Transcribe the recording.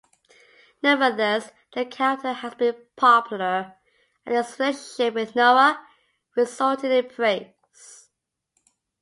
Nevertheless, the character has been popular, and his relationship with Rinoa resulted in praise.